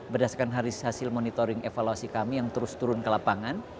berdasarkan hasil monitoring evaluasi kami yang terus turun ke lapangan